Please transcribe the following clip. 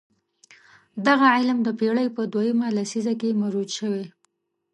دغه علم د پېړۍ په دویمه لسیزه کې مروج شوی.